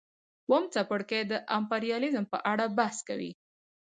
اووم څپرکی د امپریالیزم په اړه بحث کوي